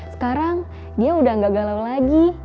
sekarang dia udah gak galau lagi